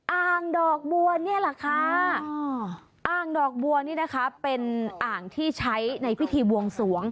อ่างดอกบัวนี่แหละค่ะอ่างดอกบัวนี่นะคะเป็นอ่างที่ใช้ในพิธีบวงสวง